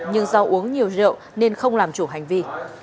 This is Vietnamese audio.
nhưng do uống nhiều rượu nên không làm chủ hành vi